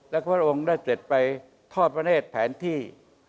และพระองค์ได้เสร็จไปทอดพระเนธแผนที่